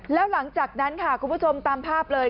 แล้วหลังจากนั้นค่ะคุณผู้ชมตามภาพเลย